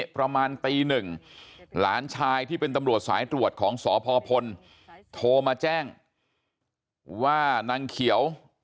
ประมาณตีหนึ่งหลานชายที่เป็นตำรวจสายตรวจของสพพลโทรมาแจ้งว่านางเขียว